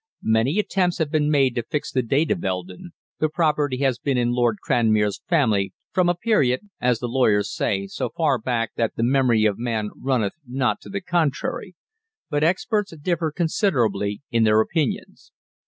Many attempts have been made to fix the date of Eldon the property has been in Lord Cranmere's family "from a period," as the lawyers say, "so far back that the memory of man runneth not to the contrary" but experts differ considerably in their opinions.